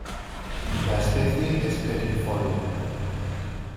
La especie es perennifolia.